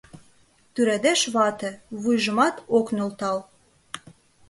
Тӱредеш вате, вуйжымат ок нӧлтал...